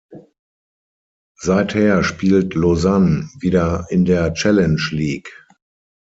Seither spielt Lausanne wieder in der Challenge League.